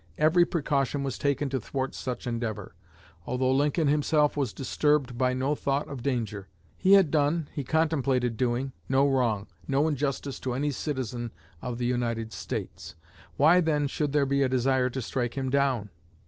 Every precaution was taken to thwart such endeavor; although Lincoln himself was disturbed by no thought of danger. He had done, he contemplated doing, no wrong, no injustice to any citizen of the United States; why then should there be a desire to strike him down?